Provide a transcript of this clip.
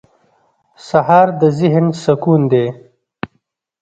سهار د ذهن سکون دی.